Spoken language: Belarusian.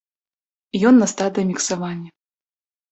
Ён на стадыі міксавання.